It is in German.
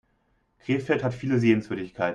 Krefeld hat viele Sehenswürdigkeiten